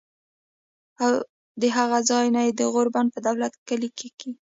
او د هغه ځائے نه د غور بند پۀ دولت کلي کښې